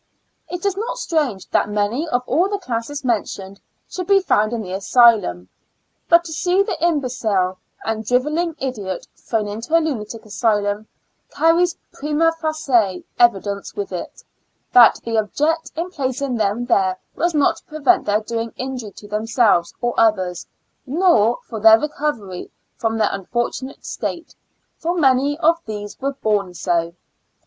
It is not strange that many of all the classes mentioned should be found in the asylum, but to see the imbecile and driveling idiot thrown into a lunatic asylum, carries pHma facie evidence with it, that the object in placing them there was not to prevent their doing injury to themselves or others, nor for their recovery from their unfortunate state, for many of these were born so.